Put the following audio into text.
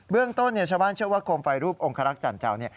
เรื่องต้นชาวบ้านเชื่อว่าโคมไฟรูปองคารักษ์จันเจ้า